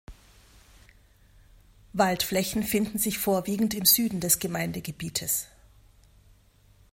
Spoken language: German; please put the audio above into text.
Waldflächen finden sich vorwiegend im Süden des Gemeindegebietes.